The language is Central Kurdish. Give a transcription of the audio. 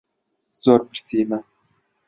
زۆر برسیمە.